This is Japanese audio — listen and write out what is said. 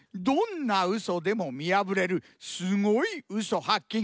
どんなウソでもみやぶれるすごいウソはっ